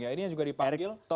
ini yang juga dipanggil